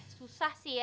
susah sih ya